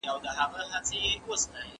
ویل تم سه چي بېړۍ دي را رسیږي